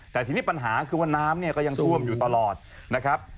แต่ทีนี้ปัญหาคือว่าน้ำเนี่ยก็ยังท่วมอยู่ตลอดนะครับ